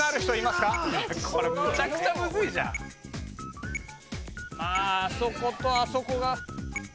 まああそことあそこが。